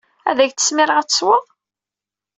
Ad ak-d-smireɣ ad tesweḍ?